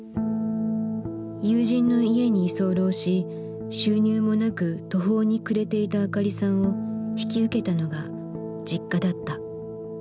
友人の家に居候し収入もなく途方に暮れていたあかりさんを引き受けたのがＪｉｋｋａだった。